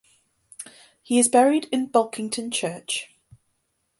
He is buried in Bulkington Church.